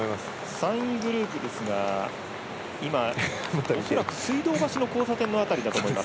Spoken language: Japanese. ３位グループ水道橋の交差点の辺りだと思います。